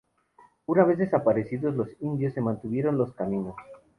Una vez desaparecidos los indios, se mantuvieron los caminos.